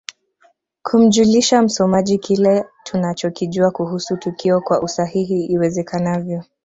Kumjulisha msomaji kile tunachokijua kuhusu tukio kwa usahihi iwezekanavyo